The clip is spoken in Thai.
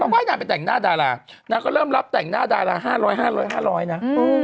ไม่ให้นางไปแต่งหน้าดารานางก็เริ่มรับแต่งหน้าดารา๕๐๐๕๐๐๕๐๐นะ